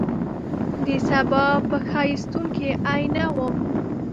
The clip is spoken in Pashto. دسبا په ښایستون کي آئینه وم